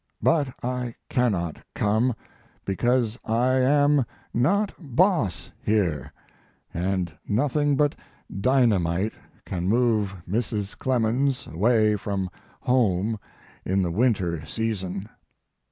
But I cannot come, because I am not boss here, and nothing but dynamite can move Mrs. Clemens away from home in the winter season.